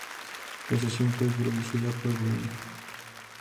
La sesión fue producida por Brian.